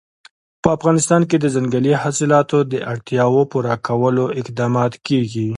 په افغانستان کې د ځنګلي حاصلاتو د اړتیاوو پوره کولو اقدامات کېږي.